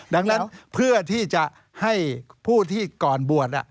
ดังนั้นเพื่อที่จะให้ผู้ที่ก่อนบวช